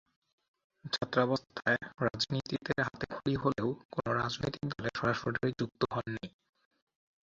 ছাত্রাবস্থায় রাজনীতিতে হাতেখড়ি হলেও, কোন রাজনৈতিক দলে সরাসরি যুক্ত হন নি।